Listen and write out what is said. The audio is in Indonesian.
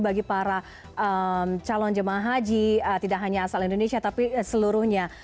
bagi para calon jemaah haji tidak hanya asal indonesia tapi seluruhnya